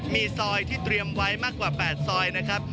มีซอยที่เตรียมไว้มากกว่า๘ซอยนะครับ